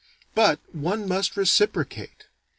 But one must reciprocate.